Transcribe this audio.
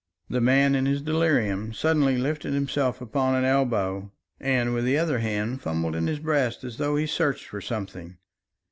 The man in his delirium suddenly lifted himself upon an elbow, and with the other hand fumbled in his breast as though he searched for something.